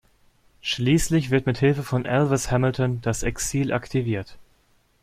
Schließlich wird mit Hilfe von Alvis Hamilton das Exil aktiviert.